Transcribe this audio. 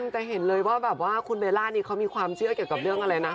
แต่เห็นเลยว่าคุณเบลล่านี้มีความเชื่อเกี่ยวด้วยเกี่ยวกับอะไรนะ